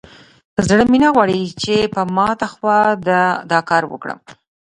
زړه مې نه غواړي چې په ماته خوا دا کار وکړم.